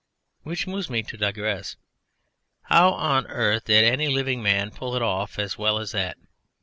Which moves me to digress.... How on earth did any living man pull it off as well as that?